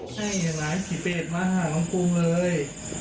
ใช่ไหมผีเปรตมาหาล้องฟูมเลย